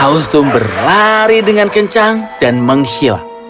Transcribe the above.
kostum berlari dengan kencang dan menghilang